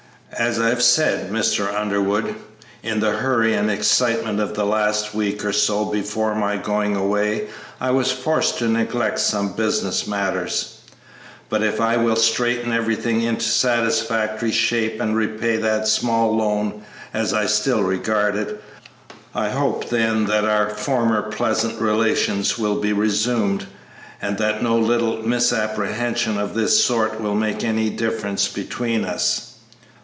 "As I have said, Mr. Underwood, in the hurry and excitement of the last week or so before my going away I was forced to neglect some business matters; but if I will straighten everything into satisfactory shape and repay that small loan, as I still regard it, I hope then that our former pleasant relations will be resumed, and that no little misapprehension of this sort will make any difference between us."